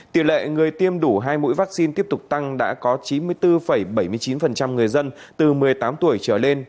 tỷ lệ người tiêm đủ hai mũi vaccine tiếp tục tăng đã có chín mươi bốn bảy mươi chín người dân từ một mươi tám tuổi trở lên